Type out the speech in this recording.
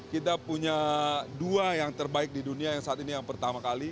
kita punya dua yang terbaik di dunia yang saat ini yang pertama kali